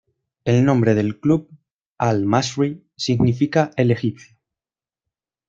El nombre del club, Al-Masry, significa "El egipcio".